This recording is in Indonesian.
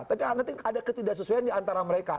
tapi nanti ada ketidaksesuaian di antara mereka